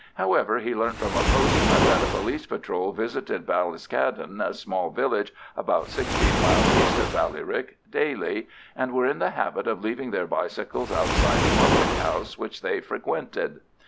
However, he learnt from a postman that a police patrol visited Ballyscaddan, a small village about sixteen miles east of Ballyrick, daily, and were in the habit of leaving their bicycles outside a public house which they frequented.